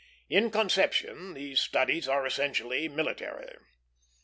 In conception, these studies are essentially military.